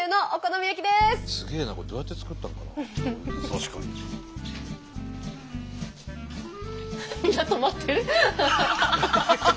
みんな止まってる。